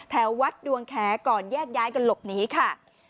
แถววัดดวงแขก่อนแยกย้ายกันหลบหนีค่ะ